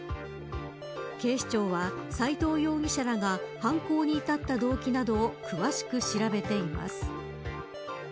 警視庁は斎藤容疑者らが犯行に至った動機などを詳しく調べています。